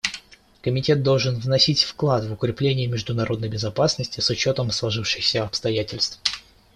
Комитет должен вносить вклад в укрепление международной безопасности с учетом сложившихся обстоятельств.